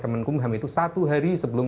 kemenkumham itu satu hari sebelum